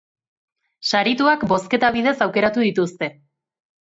Sarituak bozketa bidez aukeratu dituzte.